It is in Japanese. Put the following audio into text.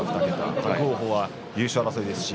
伯桜鵬は優勝争いです。